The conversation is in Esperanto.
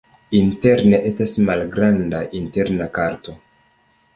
Interne estas malgranda interna korto.